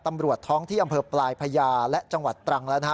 ตำรวจท้องที่อำเภอปลายพญาและจังหวัดตรังแล้วนะฮะ